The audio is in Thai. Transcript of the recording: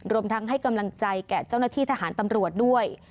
รวมทั้งให้กำลังใจแก่เจ้าหน้าที่ทหารตำรวจด้วย